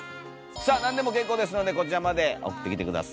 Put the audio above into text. さあ何でも結構ですのでこちらまで送ってきて下さい。